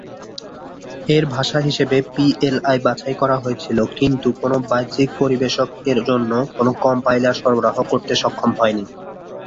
এর ভাষা হিসেবে পিএল/আই বাছাই করা হয়েছিল, কিন্তু কোন বাহ্যিক পরিবেশক এর জন্য কোন কম্পাইলার সরবরাহ করতে সক্ষম হয়নি।